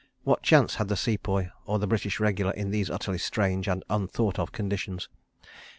What chance had the Sepoy or the British Regular in these utterly strange and unthought of conditions?